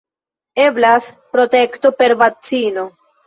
Eblas protekto per vakcino.